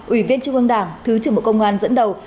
ủy viên trung ương đảng thứ trưởng bộ công an dẫn đầu